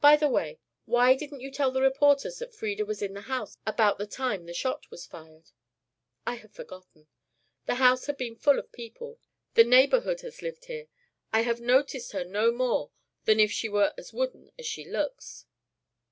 By the way, why didn't you tell the reporters that Frieda was in the house about the time the shot was fired?" "I had forgotten. The house has been full of people; the neighbourhood has lived here; I have noticed her no more than if she were as wooden as she looks."